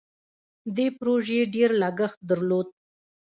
دې پروژې ډیر لګښت درلود.